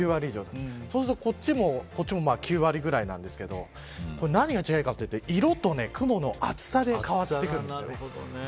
そうするとこっちも９割くらいなんですけど何が違うかというと色と雲の厚さで変わってきます。